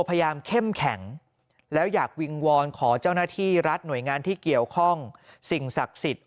เข้มแข็งแล้วอยากวิงวอนขอเจ้าหน้าที่รัฐหน่วยงานที่เกี่ยวข้องสิ่งศักดิ์สิทธิ